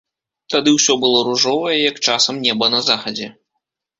Тады ўсё было ружовае, як часам неба на захадзе.